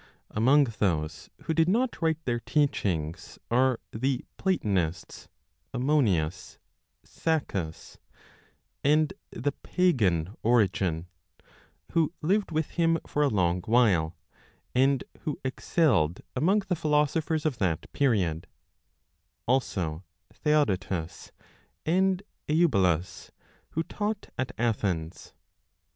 Among those who did not write their teachings are the Platonists Ammonius (Saccas) and (the pagan) Origen, who lived with him for a long while, and who excelled among the philosophers of that period; also Theodotus and Eubulus, who taught at Athens.